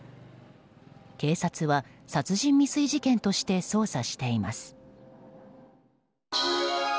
警察は殺人未遂事件として捜査しています。